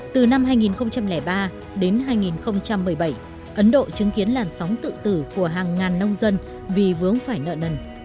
từ năm hai nghìn ba đến hai nghìn một mươi bảy ấn độ chứng kiến làn sóng tự tử của hàng ngàn nông dân vì vướng phải nợ nần